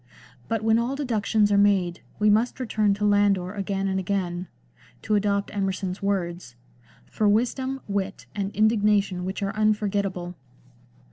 But when all deductions are made we must return to Landor again and again — to adopt Emerson's vi^ords —" for wisdom, wit, and indignation which are unforgetable."